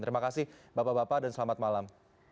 terima kasih bapak bapak dan selamat malam